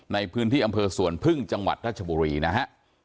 ในพื้นที่อำเภอสวนพึ่งจังหวัดราชบุรีนะฮะ